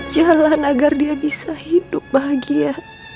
jalan agar dia bisa hidup bahagia